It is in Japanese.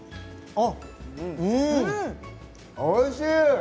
おいしい！